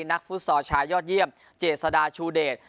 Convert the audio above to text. ฟุตซอลชายยอดเยี่ยมเจษฎาชูเดช